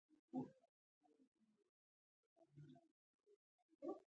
هغه غواړي د افغانستان په خاوره کې انګریزي استازي ولري.